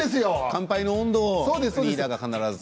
乾杯の音頭をリーダーが必ず。